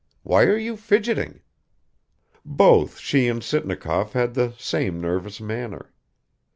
Why are you fidgeting?" Both she and Sitnikov had the same nervous manner.